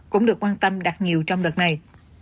cũng được quan tâm đặt nhiều trong đợt này